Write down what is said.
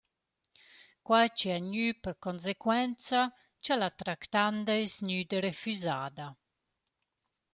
Quai chi ha gnü per consequenza cha la tractanda es gnüda refüsada.